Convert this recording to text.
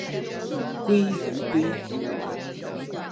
鲑鱼鲑鱼卵